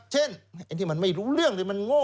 เช่นไอ้ที่มันไม่รู้เรื่องหรือมันโง่